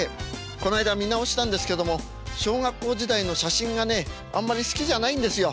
この間見直したんですけども小学校時代の写真がねあんまり好きじゃないんですよ。